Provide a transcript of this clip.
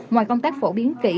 ngoài công tác phổ biến kỹ